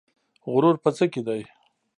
غرور په څه کې دی؟